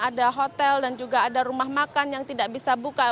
ada hotel dan juga ada rumah makan yang tidak bisa buka